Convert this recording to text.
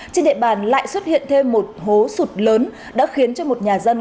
trên địa bàn lại xuất hiện thêm một hố sụt lớn đã khiến cho một nhà dân